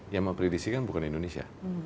yang mempredisikan bukan indonesia